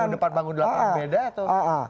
depan bangunan yang beda atau